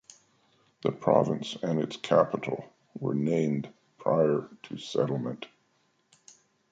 The province and its capital were named prior to settlement.